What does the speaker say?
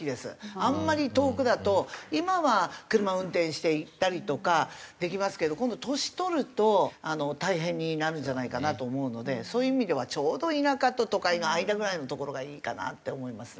あんまり遠くだと今は車運転して行ったりとかできますけど今度年取ると大変になるんじゃないかなと思うのでそういう意味ではちょうど田舎と都会の間ぐらいの所がいいかなって思いますね。